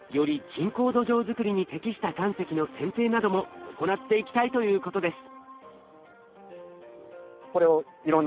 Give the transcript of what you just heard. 人工土壌作りに適した岩石の選定なども行っていきたいということです。